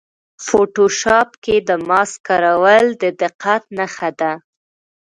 فوټوشاپ کې د ماسک کارول د دقت نښه ده.